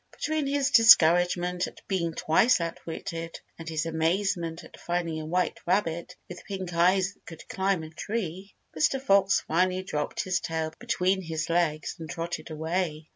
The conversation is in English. Between his discouragement at being twice outwitted, and his amazement at finding a white rabbit with pink eyes that could climb a tree, Mr. Fox finally dropped his tail between his legs and trotted away.